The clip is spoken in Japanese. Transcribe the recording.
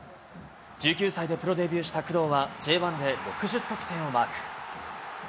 １９歳でプロデビューした工藤は、Ｊ１で６０得点をマーク。